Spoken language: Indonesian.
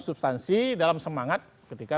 substansi dalam semangat ketika